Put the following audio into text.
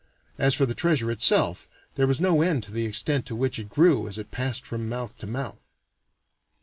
As for the treasure itself, there was no end to the extent to which it grew as it passed from mouth to mouth.